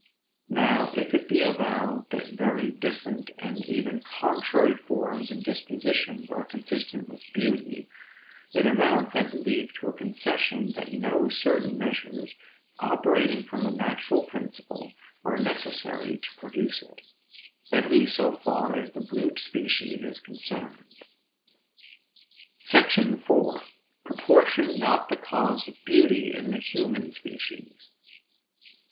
Now, if it be allowed that very different, and even contrary forms and dispositions are consistent with beauty, it amounts I believe to a concession, that no certain measures, operating from a natural principle, are necessary to produce it; at least so far as the brute species is concerned. SECTION IV. PROPORTION NOT THE CAUSE OF BEAUTY IN THE HUMAN SPECIES.